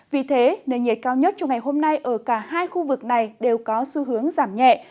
vì thế nền nhiệt cao nhất trong ngày hôm nay ở cả hai khu vực này đều có xu hướng giảm nhẹ